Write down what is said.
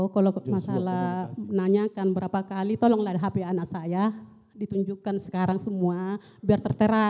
kalau masalah nanyakan berapa kali tolong lihat hp anak saya ditunjukkan sekarang semua biar terserah